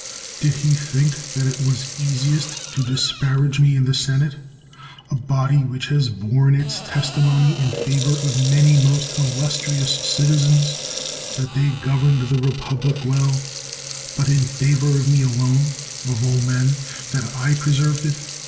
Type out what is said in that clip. Did he think that it was easiest to disparage me in the senate ?— ^a body which has borne its testimony in favor of many most illustrious citizens that they governed the republic well, but in favor of me alone, of all men, that I preserved it.